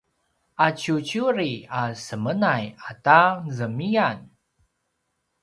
aciuciuri a semenay ata zemiyan!